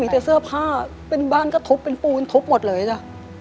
แต่เสื้อผ้าเป็นบ้านก็ทุบเป็นปูนทุบหมดเลยจ้ะ